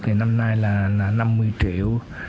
thì năm nay là năm mươi triệu